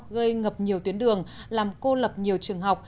gây ngập nhiều tuyến đường làm cô lập nhiều trường học